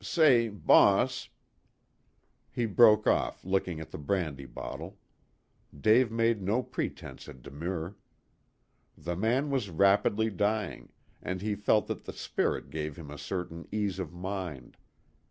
Say, boss " He broke off, looking at the brandy bottle. Dave made no pretense at demur. The man was rapidly dying, and he felt that the spirit gave him a certain ease of mind.